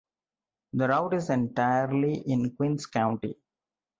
The route is entirely in Queens County.